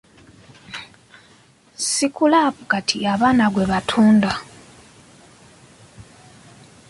Sikulaapu kati abaana gwe batunda.